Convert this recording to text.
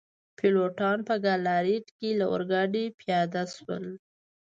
پیلوټان په ګالاریټ کي له اورګاډي پیاده شول.